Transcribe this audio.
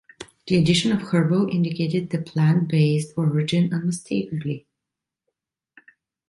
The addition of “herbal” indicated the plant based origin unmistakably.